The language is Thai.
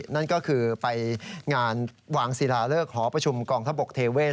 นั่นก็คือไปงานวางศิลาเลิกหอประชุมกองทัพบกเทเวศ